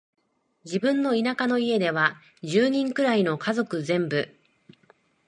自分の田舎の家では、十人くらいの家族全部、